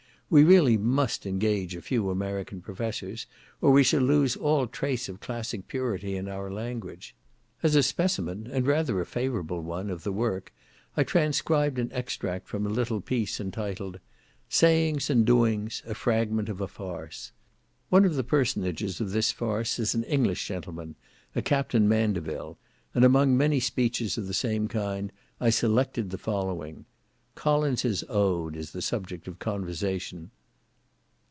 We really must engage a few American professors, or we shall lose all trace of classic purity in our language. As a specimen, and rather a favourable one, of the work, I transcribed an extract from a little piece, entitled, "Sayings and Doings, a Fragment of a Farce." One of the personages of this farce is an English gentleman, a Captain Mandaville, and among many speeches of the same kind, I selected the following. Collins's Ode is the subject of conversation.